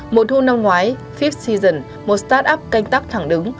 một thu năm ngoái fifth season một startup canh tắc thẳng đứng